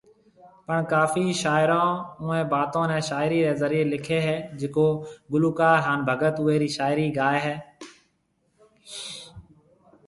پڻ ڪافي شاعرون اوئي باتون ني شاعري ري ذريعي لکي هي جڪو گلوڪار هان بگت اوئي رِي شاعري گاوي هي